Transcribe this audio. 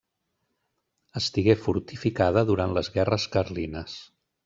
Estigué fortificada durant les guerres carlines.